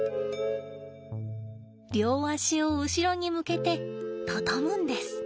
両足を後ろに向けて畳むんです。